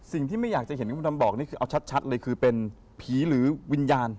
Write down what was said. สิ่งที่ไม่อยากจะเห็นที่คุณดำบอกนี่คือเอาชัดเลยคือเป็นผีหรือวิญญาณ